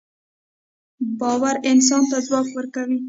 باورانسان ته ځواک ورکوي